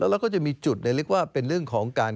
แล้วก็จะมีจุดเรียกว่าเป็นเรื่องของการ